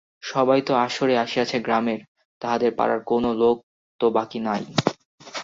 সবাই তো আসরে আসিয়াছে গ্রামের, তাহদের পাড়ার কোনও লোক তো বাকি নাই!